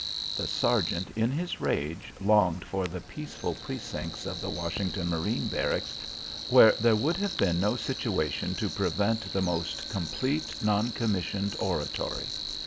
The sergeant in his rage longed for the peaceful precincts of the Washington Marine Barracks where there would have been no situation to prevent the most complete non commissioned oratory.